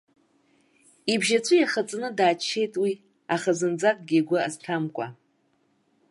Ибжьы аҵәы иахаҵаны дааччеит уи, аха зынӡакгьы игәы азҭамкәа.